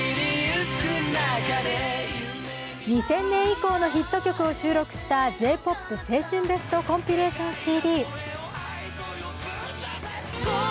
２０００年以降のヒット曲を収録したＪ−ＰＯＰ青春ベストコンピレーションＣＤ。